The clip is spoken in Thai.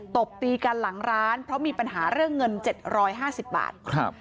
ตบตีกันหลังร้านเพราะมีปัญหาเรื่องเงิน๗๕๐บาท